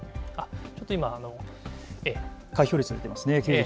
ちょっと今、開票率が出ていますね。